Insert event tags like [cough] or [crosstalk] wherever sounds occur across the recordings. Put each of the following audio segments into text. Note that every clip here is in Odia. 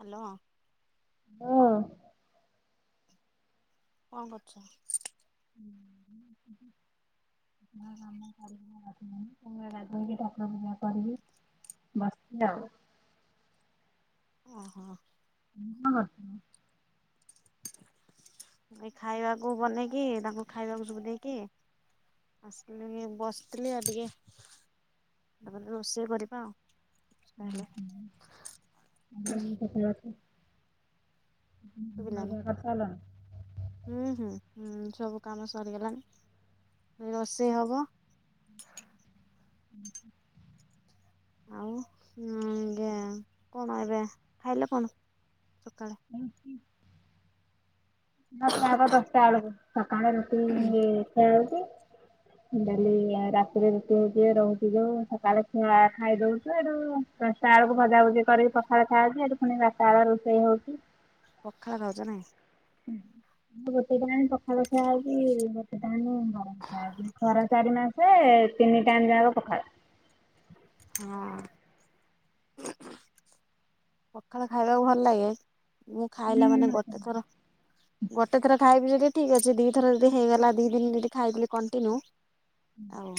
ହ୍ୟାଲୋ। ହଁ। କଣ କରୁଚ। [unintelligible] ଗାଧୋଇ କି ଠାକୁର ପୂଜା କରିବି। ବସିଚି ଆଉ। ଓହୋ। [unintelligible] ଏଇ ଖାଇବାକୁ ବନେଇକି ତାଙ୍କୁ ଖାଇବାକୁ ସବୁ ଦେଇକି ଆସିଲି ବସିଥିଲି ଆଉ ଟିକେ ତାପରେ ରୋଷେଇ କରିବା ଆଉ। ତାହେଲେ [unintelligible] ଶୁଭିଲାନି [unintelligible] ହୁଁ ହୁଁ ହୁଁ ସବୁ କାମ ସରିଗଲାଣି ଏ ରୋଷେଇ ହବ। ହୁଁ ଆଉ ଉଁ ଗା କଣ ଏବେ ଖାଇଲେ କଣ ସକାଳେ। ରୁଟିି। ନା ଖିଆହବ ଦଶଟା ବେଳକୁ ସକାଳେ ରୁଟି ଖିଆଯାଉଚି। ଡେଲି ରାତିରେ ରୁଟି ହଉଚି ଯେ ରହୁଚି ଯୋଉ ସକାଳେ ଖିଆ ଖାଇ ଦଉଚୁ ହେଟୁ ଦଶଟା ବେଳକୁ ଭଜାଭୁଜି କରିକି ପଖାଳ ଖିଆହୋଉଚି ଏଠି ପୁଣି ବାରଟା ବେଳେ ରୋଷେଇ ହଉଚି। ପଖାଳ ଖାଉଚ ନାହିଁ। ହ ଗୋଟେ ଟାଇମ୍ ପଖାଳ ଖିଆହଉଛି ଗୋଟେ ଟାଇମ୍ ଗରମ। ଖରା ଚାରି ମାସେ ତିନି ଟାଇମ୍ ଯାକ ପଖାଳ। ହଁ ପଖାଳ ଖାଇବାକୁ ଭଲ ଲାଗେ ମୁଁ ହୁଁ ଖାଇଲା ମାନେ ଗୋଟେ ଥର ଦିଆଯାଏ ଗୋଟେ ଥର ଖାଇବି ଯଦି ଠିକ୍ ଅଛି। ଦିଥର ଯଦି ହେଇଗଲା ଦି ଦିନ ଯଦି ଖାଇଦେଲି କଣ୍ଟିନ୍ୟୁ ଆଉ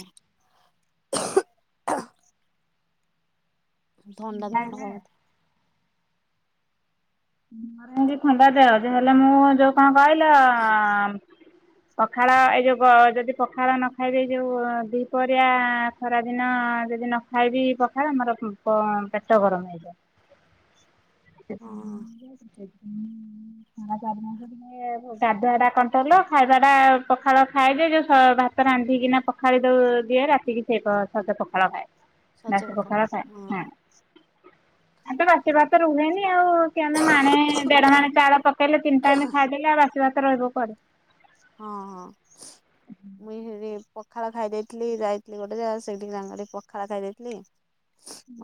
ଥଣ୍ଡା ଧରି ମୁଁ ବି ଥଣ୍ଡା ଦେହ ଯେ ହେଲେ ମୁଁ ଯୋଉ କ'ଣ କହିଲ? [unintelligible] [inaudible] ପଖାଳ ଏଇ ଯୋଉ ଯଦି ପଖାଳ ନ ଖାଇବି। ଯୋଉ ଦି ପହରିଆ ଖରା ଦିନ ଯଦି ନ ଖାଇବି ପଖାଳ ମୋର ପେଟ ଗରମ ହେଇଯିବ। [inaudible] [inaudible] ଗାଧୁଆ ଟା କଣ୍ଟୋଲ ଖାଇବା ଟା ପଖାଳ ଖାଏ ଯେ ଯୋଉ ଭାତ ରାନ୍ଧିକିନା ଖାଳି ଦିଏ ରାତିକି ସେଇ ସଜ ପଖାଳ ଖାଏ ସଜ ରାତି ପଖାଳ ହଁ ଖାଏନି। ଏ ତ ବାସି ଭାତ ରୁହେନି ଆଉ। ଆମେ ମାଣେ ଦେଢ ମଣେ ଚାଉଳ ପକେଇଲେ ତିନି ଟାଇମ ଖାଇଦେଲେ ଆଉ ବାସି ଭାତ ରହିବ କୁଆଡୁ? ହଁ ହଁ ମୁଇଁ ସେଠୀ ପଖାଳ ଖାଇ ଦେଇଥିଲି ଯାଇଥିଲି। ଗୋଟେ ଜାଗା ସେଇଠି ପଖାଳ ଖାଇ ଦେଇଥିଲି।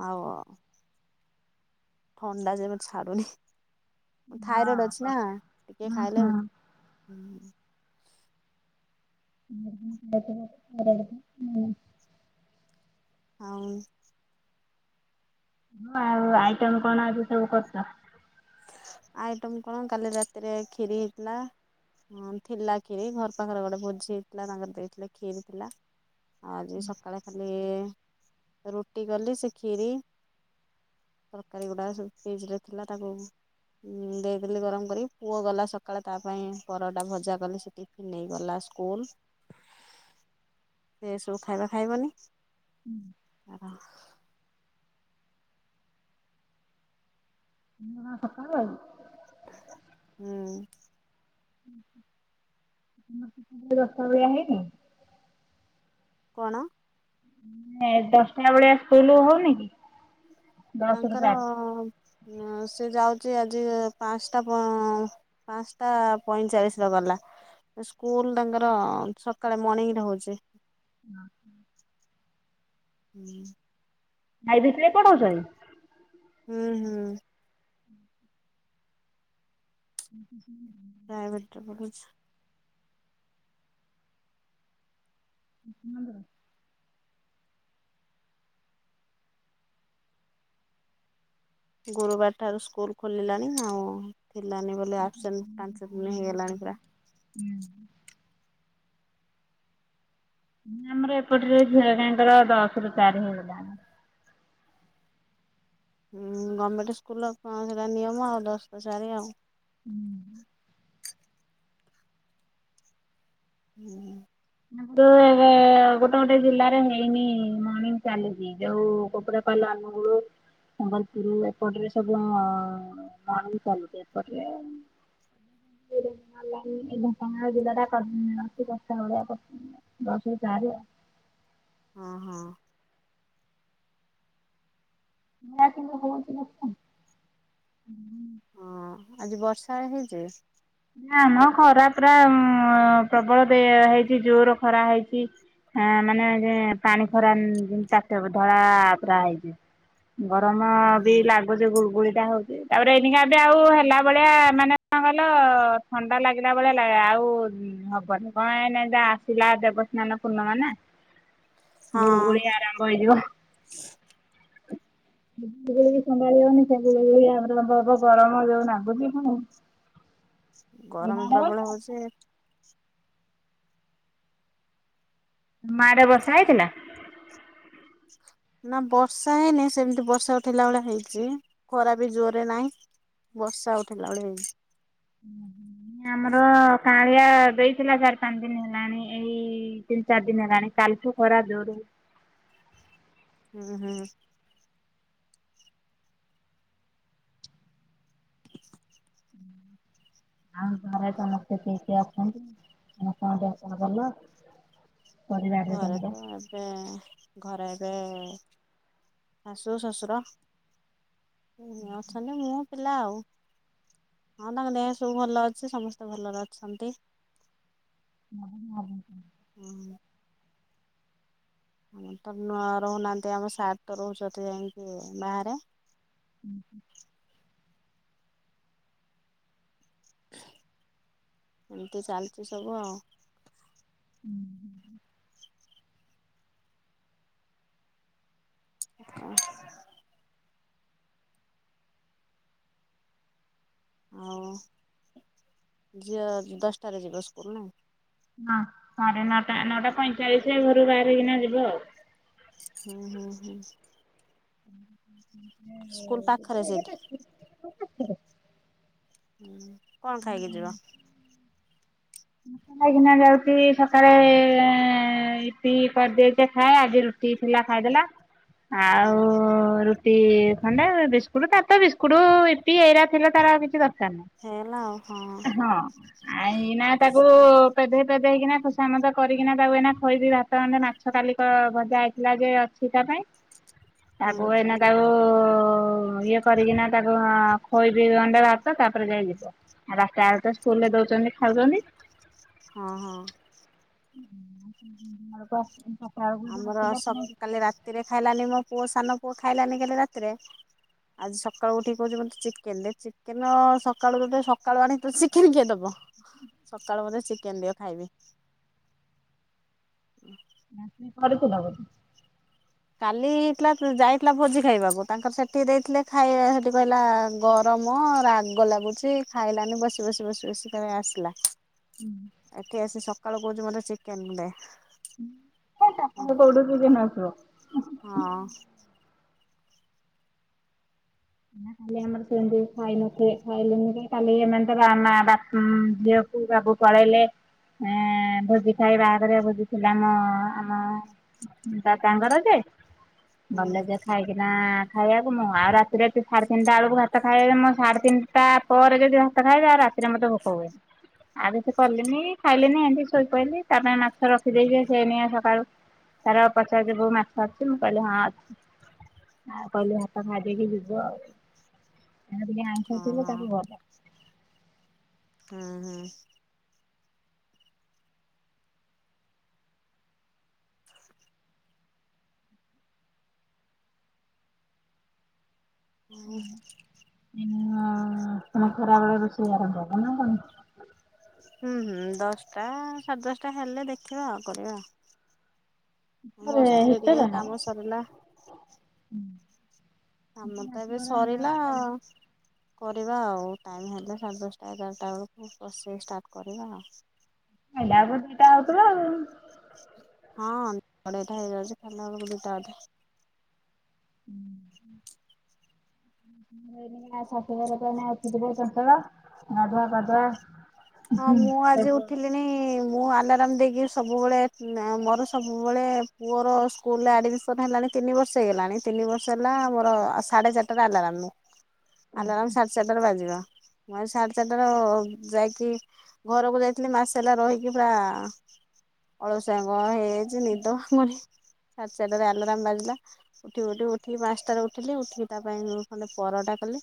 ଆଉ କୁହ ଥଣ୍ଡା ଯୋଗୁଁ ଛାଡୁନି। ଥାଇରଏଡ ଅଛି ହଁ ନା ଟିକେ ଖାଇଲେ। ହୁଁ [inaudible] ଆଉ ହଁ ଆଉ ଆଇଟମ କ'ଣ ଅଛି ସବୁ କରିଛ? ଆଇଟମ କ'ଣ? କାଲି ରାତିରେ କ୍ଷୀରି ହେଇଥିଲା। ହଁ ଥିଲା କ୍ଷୀରି ଘର ପାଖରେ ଗୋଟେ ଭୋଜି ହେଇଥିଲା ତାଙ୍କର ଦେଇଥିଲେ କ୍ଷୀରି ଥିଲା। ଆଜି ସକାଳେ ଖାଲି ରୁଟି କଲି ସେ କ୍ଷୀରି ତରକାରୀ ଗୁଡ଼ାକ ସବୁ ଫ୍ରିଜ ରେ ଥିଲା ତାକୁ ଉ ଦେଇଦେଲି ଗରମ କରିକି ପୁଅ ଗଲା ସକାଳେ ତା ପାଇଁ ପରଟା ଭଜା କରିଛି। ନେଇଗଲା ସ୍କୁଲ ଏସବୁ ଖାଇବା ଖାଇବନି। ହୁଁ ଆ [inaudible] ହୁଁ ଦଶ ଟା ବେଳିଆ ହେଇନି? କ'ଣ? ଦଶଟା ବେଳିଆ ସ୍କୁଲ ହଉନି କି? ଦଶ ରୁ ତାଙ୍କର ଚାରି ସେ ଯାଉଛି ଆଜି ପାଞ୍ଚଟା ପା ପାଞ୍ଚଟା ପଇଁଚାଳିଶ ର ଗଲା। ସ୍କୁଲ ତାଙ୍କର ସକାଳେ ମର୍ଣିଂ ରେ ହଉଛି। ହଁ ହୁଁ ଭାଇ ଭିତରେ କ'ଣ ହଉଛ? ହୁଁ ହୁଁ ହ ହୁଁ ପ୍ରାଇଭେଟ୍ ରେ ପଢୁଛି। ନ୍ଦର [inaudible] ଗୁରୁବାର ଠାରୁ ସ୍କୁଲ ଖୋଲିଲାଣି ଆଉ ଥିଲାନି ବୋ ଆପସେଣ୍ଟ ପାଞ୍ଚ ଦିନ ହେଇଗଲାଣି ପୁରା ହୁଁ ଆମର ଏପଟରେ ଝିଅ ହେଇଙ୍କର ଦଶରୁ ଚାରି ହେଇଗଲାଣି। ହୁଁ ଗମେଣ୍ଟ ସ୍କୁଲର କଣ ସେଟା ନିୟମ ଆଉ ଦଶରୁ ଚାରି ଆଉ। ହୁଁ। ହୁଁ। ନାଟୋରେ ଏବେ ଗୋଟେ ଗୋଟେ ଜିଲ୍ଲାରେ ହେଇନି ମଣିଙ୍ଗ ଚାଲିଛି। ହେଇ ଯୋଉ କୋପଡ଼ାପାଲ ଅନୁଗୁଳ ସମ୍ବଲପୁର ଏପଟରେ ସବୁ ଅ ନା ଚାଲିଛି ଏପଟରେ। [unintelligible] ଦଶରୁ ଚାରି ଆ। ହଁ ହଁ। ନା କିନ୍ତୁ ହଉଚି [unintelligible] ହଁ ଆଜି ବର୍ଷା ହେଇଛି? ନା ମ ଖରା ପ୍ରା ପ୍ରବଳ ବେ ହେଇଛି ଜୋର ଖରା ହେଇଛି। ହଁ ମାନେ ଯେ ପାଣି ଖରା ତାତେପା ଧଳା ପୁରା ହେଇଛି। ଗରମ ବି ଓହୋ ଲାଗ୍ ଉପସେ ଗୁଳଗୁଳିଟା ହଉଛି ତାପରେ ଏନିକା ବି ଆଉ ହେଲା ଭଳିଆ ମାନେ କଣ କଲ ତ ଥଣ୍ଡା ଲାଗିଲା ଭଳିଆ ଲା ଆଉ ହବନି କଣ ନାଇ ଯା ଆସିଲା ଦେବ ସ୍ନାନ ପୂର୍ଣ୍ଣମା ନା। ହଁ ଗୁଳୁଗୁଳି ଆରମ୍ଭ ହେଇଯିବ। [unintelligible] ସେତେବେଳେ ବି ସମ୍ଭାଳି ହ [unintelligible] ଗରମ ଯୋଉ ଲାଗୁଛି କଣ ଗରମ ବର୍ଷା ପ୍ରବଳ ହଉଛି। ମ ଆଡ଼େ ବର୍ଷା ହେଇଥିଲା? ନା ବର୍ଷା ହେଇନି ସେମିତି ବର୍ଷା ଉଠେଇଲା ଭଳିଆ ହେଇଛି ଖରା ବି ଜୋରେ ନାଇଁ। ବର୍ଷା ଉଠେଇଲା ଭଳି [unintelligible] ଆମର କାଁଳିଆ ଦେଇଥିଲା ଚାରି ପାଞ୍ଚ ଦିନ ହେଲାଣି ଏଇ ଦି ତିନି ଚାରି ଦିନ ହେଲାଣି କାଲିଠୁ ଖରା ଜୋରେ। ହୁଁ ହୁଁ। [unintelligible] ଆଉ ଘରେ ସମସ୍ତେ କିିଏ କିଏ ଅଛନ୍ତି ସମସ୍ତଙ୍କ ଦେହପା ଭଲ? ପରିବାରରେ ତମର? ଘରେତ ବେ ଘରେ ଏବେ ଶାଶୁ ଶଶୁର। ଅଛନ୍ତି ମୁଁ ପିଲା ଆଉ। ହଁ ତାଙ୍କ ଦେହ ସବୁ ଭଲ ଅଛି ସମସ୍ତେ ଭଲରେ ଅଛନ୍ତି। [unintelligible] କଣ ହେ ଆମର ତ ନୂଆ ରହୁନାହାନ୍ତି ଆମ ସାର୍ ତ ରହୁଛନ୍ତି ଯାଇଙ୍କି ବାହାରେ। ଉଁ ହୁଁ। ଏମିତି ଚାଲିଛି ସବୁ ଆଉ। ଉମ ହୁଁ ହୁଁ। ଆ ଆଉ ଝିଅ ଯି ଦଶଟାରେ ଯିବ ସ୍କୁଲ ନାଇ? ହଁ ସାଢ଼େ ନଅଟା ନଅଟା ପଇଁଚାଳିଶରେ ଘରୁ ବାହାରିକିନା ଯିବ ଆଉ। ହୁଁ ହୁଁ ହୁଁ। ହୁଁ ହୁଁ ସ୍କୁଲ ପାଖରେ ସେଇଠି। ଉଁ କଣ ଖାଇକି ଯିବ? ଖାଇକିନା ଯାଉଛି ସକାଳେ ଏଁ ଇପି କରିଦେଏଯେ ଖାଏ ଆଜି ରୁ [unintelligible] ଖାଇଦେଲା [inaudible] ଆଉ ର ଖଣ୍ଡେ ବିସ୍କୁଟ ତ ତ ବିସ୍କୁଟ ଏଇ ଏଇରାା ଥିଲା ତାର କିଛି ଦର ହେଇଗଲା ଆଉ ହଁ [inaudible] ହଁ ଆ ନା। ତାକୁ ପେଦେଇ ପେଧେଇକିନା ଖସାମତ କରିକିନା ତାକୁ ଏନା ଖୋଇବି ଭାତ ଖଣ୍ଡେ ନାଚ ଗତ କାିକ ମଜା ହେଇଥିଲା ଯେ ଅଛି ତା ପାଇଁ। [inaudible] ତାକୁ ଏନା ତାକୁ ଇଏ କରିକିନା ତାକୁ ଖୋଇବି ଗଣ୍ଡା ଭାତ ତାପରେ ଯାଇ ଯିବ। ଆଉ ରାତି ଆରଟା ସ୍କୁଲ ରେ ଦଉଛନ୍ତି ଖାଉଛନ୍ତି। ହଁ ହଁ। [inaudible] ଆମର ଆସିଲେ ସ ପୁଣି କାଲି ରାତିରେ ଖାଇଲାନି ମୋ ପୁଅ ସାନ ପୁଅ ଖାଇଲାନି କାଲି ରାତିରେ ଆଜି ସକାଳୁ ଠିକ କହୁଛି ମତେ ଚିକେନ ରେ ଚିକେନ ସକାଳୁ ସକାଳୁ ଆଣି ଚିକେନ କିଏ ଦବ ସକାଳ ବୋଧେ ଚିକେନ ଦିଅ ଖାଇବି। [inaudible] କାଲିଇଥିଲା ଯାଇଥିଲା ଭୋଜି ଖାଇବାକୁ ତାଙ୍କର ସେଠି ଦେଇଥିଲେ ଖାଇ ସେଠି କହିଲା ଗ ରମ ରାଗ ଲାଗୁଛି ଖାଇଲାନି ବସି ବସି ବସି ବସି ଖାଇ ଆସିଲା। [unintelligible] ଏଠି ଆସି ସକାଳୁ କହୁଛି ମୋତେ ଚିକେନେ ତାପ କୋଉଠୁ କି ଦିନ ଆସିବ। ହଁ। ଖାଲି ଆମର ସେମିତି ଖାଇନଥଥିଲେ ଖାଇଲେନି ଖାଲି ଏମ ତ ରାନା ବାପା ଝିଅ ବାବୁ ପଳେଇଲେ ଏଁ ଭୋଜି ଖାଇବା ଆଗରେ ଭୋଜିଥିଲା ଆମ ତା ତାଙ୍କର ଯେ ଗଲେ ଯେ ଖାଇକିନା ଖାଇବାକୁ ମୁଁ ଆଉ ରା ରାତି ସାଢ଼େ ତିନିଟା ବେଳକୁ ଭାତ ଖାଇବେ ମୋ ସାଢେ ତିନିଟା ପରେ ଯଦି ଭାତ ଖାଇବେ ଆଉ ରାତିରେ ମୋତେ ଭୋକ ହୁଏନି। ଆବେ ସେ କଲିନି ଖାଇଲିନି ଏମିତି ଶୋଇପହିଲି ତା ପାଇଁ ମାଛ ରଖିଦେଇଛି ସେନ ସକାଳୁ ତାର ପଚାରିବୋ ମାଛ ଆଛି ମୁଁ କହିଲି ହଁ ଅଛି, ଆଉ କହିଲି ହାତ ଖାଇ ଦେଇକି ଯ ହଁ ହଁ [unintelligible] ହଁ ହଁ। [unintelligible] [unintelligible] ହ ସେନକରାବେଳେ ରଋଷେଇ ଆରମ୍ଭବ ନା କ? ହୁଁ ହୁଁ ଦଶଟା ସାଢ଼େ ଦଶଟା ହେଲେ ଦେଖିବା ଆଉ କରିବା ଆଉ। ମୁଁ ବସିଥିଲି ହିଟର ଟିକେ ନା? କାମ ସରିଲା। [inaudible] ଆମ ତ ମାଛ ଏବେ ଭଜା ଅଣ୍ଡା ସରିଲା ଚାଲିଛି କରିବା ଆଉ ଟାଇମ ହେଲେ ସାଢ଼େ ଦଶଟା ଏଗାରଟା ବେଳକୁ ବସିକି ଷ୍ଟାର୍ଟ କରିବା ଆଉ। [unintelligible] ହଁ ବଡେଇଟା ହେଇଯାଉଛି ଖାଲି ବେଳକୁ ଦିଟାଧେ [inaudible] ଶଶୁ ଘାର ଅଛି ପସଳ ଗାଧୁଆ ପାଧୁଆ ହଁ ମୁଁ ଆଜି ଉଠିଲିଣି ମୁଁ ଆଲାର୍ମ ଦେଇକି ସବୁବେଳେ ମୋର ସବୁବେଳେ ପୁଅର ସ୍କୁଲରେ ଆଡ଼ମି ହେଲାଣି ତିନି ବର୍ଷ ହେଇଗଲାଣି ତିନି ବର୍ଷ ହେଲା ଆୋର ଆ ସାଢେ ଚାରିଟା ଆଲା ମୁଁ ଆଲାରମ୍ ସାଢେ ସାତଟାରେ ବାଜିବ ମ ସାଢ଼େ ଚାତଟାରେ ଯାଇକି ଘରକୁ ଯାଇଥିଲି ମାସେ ହେଲା ରହିକି ପୁରା ଅଳସଆଙ୍ଗ ହେଇ ଜ ନିଦୁଣି ସେରେ ଆଲରାମ ବାଜିଲା। ଉଠିବୁ ଉଠିବୁ ଉଠିକି ପାଞ୍ଚଟାରେ ଉଠିଲି ଉଠିକି ତା ପାଇଁ ମୁଁ ଖଣ୍ଡେ ପରଟା କଲି।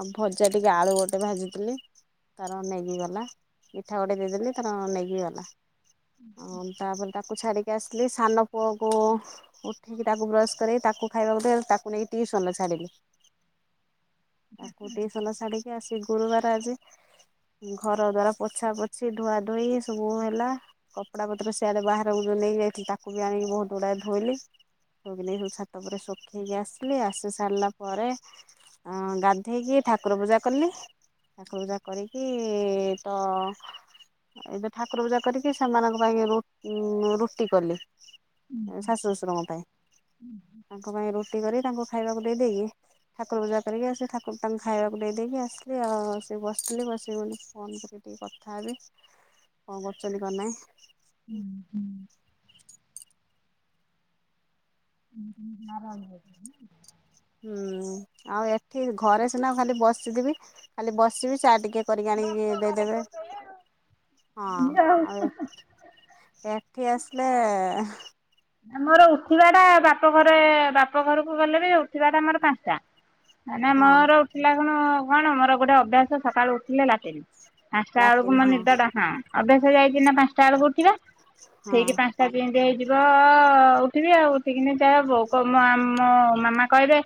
ଆଉ ଭଜା ଟିକେ ଆଳୁ ଗୋଟେ ଭାଜିଥିଲି ତାର ନେ ନେଇ ଗଲା ମିଠା ଗୋଟେ ଦେଇଦେଲି ତାର ନେଇକି ଗଲା। ଆଉ ତାପରେ ତାକୁ ଛାଡିକି ଆସିଲି ସାନ ପୁଅକୁ। ଉଠେଇକି ତାକୁ ବ୍ରଶ କରେଇ ତାକୁ ଖାଇବାକୁ ଦେ ତାକୁ ନେଇକି ଟିଉସନରେ ଛାଡ଼ିଲି। ତାକୁ ଟିଉସନ ଛାଡିକି ଆସି ଗୁରୁବାର ଆଜି। ଘର ଦ୍ୱାରା ପୋଛା ପୋଛି ଧୁଆ ଧୋଇ ସବୁ ହେଲା। କପଡା ପତ୍ର ସିଆଡେ ବାହାରକୁ ଯୋଉ ନେଇକି ଯାଇଥିଲି ତାକୁ ବି ଆଣିକି ବହୁତ ଗୁଡାଏ ଧୋଇଲି। [unintelligible] ଛାତ ଉପରେ ଶୁଖେଇକି ଆସିଲି ଆସି ସାରିଲା ପରେ। ଅ ଗାଧେଇକି ଠାକୁର ପୂଜା କଲି ଠାକୁର ପୂଜା କରି ଇ ତ। ଏଇ ଯୋଉ ଠାକୁର ପୂଜା କରିକି ସେମାନଙ୍କ ପାଇଁ ରୁ ଉଁ ରୁଟି କଲି। ଏଁ ଶାଶୁ ଶଶୁରଙ୍କ ପାଇଁ ତାଙ୍କ ପାଇଁ ରୁଟି କରିକି ତାଙ୍କୁ ଖାଇବାକୁ ଦେଇଦେଇକି। ଠାକୁର ପୂଜା କରିକି ଆ ସେ ଠାକୁର ତାଙ୍କୁ ଖାଇବାକୁ ଦେଇ ଦେଇକି ଆସିଲି ଆଉ ଆସିକି ବସିଥିଲି ବସିି [unintelligible] ଫୋନ କରି ଟିକେ କଥା ହେବି କଣ କରୁଛନ୍ତି କଣ ନାହିଁ। ହୁଁ ହୁଁ। [inaudible] ହୁଁ ଆଉ ଏଠି ଘରେ ସିନା ଖାଲି ବସିଥିବି ଖାଲି ବସିବି ଚା ଟିକେ। କରିକି ଆଣିକି ଦେଇ ଦେବେ ହଁ ଆଉ। ଏଠି ଆସିଲେ। ଆମର ଉଠିବା ଟା ବାପ ଘରେ ବାପ ଘରକୁ ଗଲେ ବି ଉଠିବା ଟା ମୋର ପାଞ୍ଚଟା। ମାନେ ହଁ ମୋର ଉଠିଲା ଖିଣୁ କଣ ମୋର ଗୋଟେ ଅଭ୍ୟାସ ସକାଳୁ ଉଠିଲେ ଲାଟିନ। ପାଞ୍ଚଟା ବେଳକୁ ଲାଟିନ୍ ମୋ ହଁ ନିଦ ଟା ହଁ ଅଭ୍ୟାସ ହେଇଯାଇଛିି ନା ପାଞ୍ଚଟା ବେଳକୁ ଉଠିବା ହଁ ଠୀକି ପାଞ୍ଚ ପାଞ୍ଚ ଟା କେମିତି ହେଇଯିବ। ତ ଉଠିବି ଆଉ ଉଠିକିନି ଯାହା ବୋଉ କ ମ ଆମ ମାମା କହିବେ।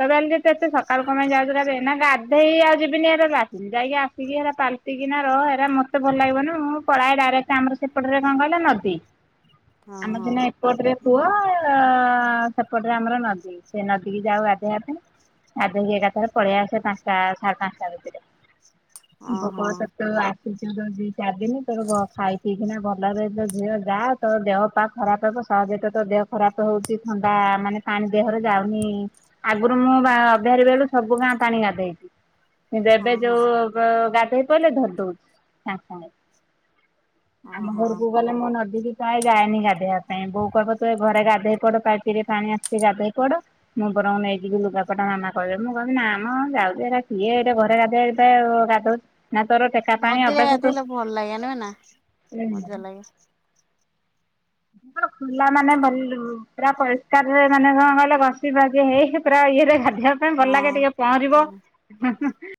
କହିବେ ଆଲେ ତୁ ସକାଳ କୁ କଣ ପାଇଁ ଯାଉଛୁ ଗାଧେଇ ନା ଗାଧେଇବାକୁ ଯିବିନି ଏବେ ଲାଟିନି ଯାଇକି ଆସିକି ଏରା ପାଲ ଟି କିନା ରହ୍ ଏରା ମତେ ଭଲ ଲାଗିବନି ମୁଁ ପଳାଏ ଡାଇରେକ୍ଟ ଆମର ସେପଟରେ କଣ କହିଲ ନଦୀ। ଆମର ହଁ ଦିନେ ଏପଟରେ କୂଅ ସେପଟରେ ଆମର ନଦୀ ସେ ନଦୀ କି ଯାଉ ଗାଧେଇବା ପାଇଁ। ଗାଧେଇକି ଏକାଥରେ ପଳେଇ ଆସେ ପାଞ୍ଚଟା ସାଢେ ପାଞ୍ଚଟା ଭିତରେ ହଁ ଭୋକ ହଁ ହଁ ହଉଥିବ ତୁ ଆ [unintelligible] ଯଉ ଦି ଚାରି ଦିନ ତୋର ଗ ଖାଇ ପିଇକିନା ଭଲରେ ତ ଝିଅ ଯା ତୋ ଦେହ ପା ଖରାପ ହେବ ସହଜେ ତ ତୋ ଦେହ ଖରାପ ହଉଛି ଥଣ୍ଡା ମାନେ ପାଣି ଦେହରେ ଯାଉନି। ଆଗରୁ ମୁଁ ବା [unintelligible] ବେଳୁ ସବୁ ଗାଁ ପାଣି ଗାଧେଇଚି। ଏବେ ହଁ ହଁ ଯୋଉ ଗ ଗାଧଇ ପଇଲେ ଧରିଦଉଛି ସାଙ୍ଗେ ସାଙ୍ଗେ। ହଁ ଆମ ହଁ ଘରକୁ ଗଲେ ମୁଁ ନଦୀ କିି ପ୍ରାୟେ ଯାଏନି ଗା ଗାଧେଇବା ପାଇଁ ବୋଉ କହିବ ତୁ ଏଇ ଘରେ ଗାଧେଇ ପଡ ପାଇପରେ ପାଣି ଆଶୁଛି ଗାଧେଇ ପଡ। ମୁଁ ବରଂ ନେଇଯିବି ଲୁଗାପଟା ମାମା କହିବେ ମୁଁ କହିମି ନା ମ ଯାଉଛି ଏଟା କିିଏ ଏଇଟା ଘରେ ଗାଧେଇ [unintelligible] ଗାଧାଉଚି ନା ତୋର ଠେକା ପାଣି ନଦୀରେ ଅଭ୍ୟାସ ତୁ ଗାଧେଇଲେ ଭଲ ଲାଗେନି ନା ଉଁ ହୁଁ। ମଜା ଲାଗେ ଖୁଲା ମାନେ ଭଲ ପୁରା ପରିଷ୍କାରରେ ମାନେ କଣ କହିଲ ଘସି ମାଜି ହେଇକି ପୁରା ଇଏରେ ଗାଧେଇବା ପାଇଁ ଭଲ ହଁ ଲାଗେ ଟିକେ ପହଁରିବ ହଁ ହୁଁ ହୁଁ।